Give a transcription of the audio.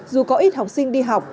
dù có ít học sinh đi học